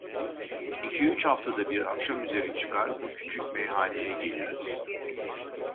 İki üç haftada bir, akşam üzeri çıkar, bu küçük meyhaneye geliriz.